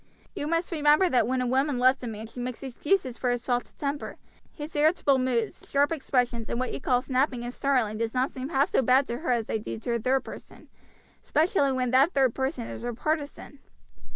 You must remember that when a woman loves a man she makes excuses for his faults of temper; his irritable moods, sharp expressions, and what you call snapping and snarling do not seem half so bad to her as they do to a third person, especially when that third person is her partisan.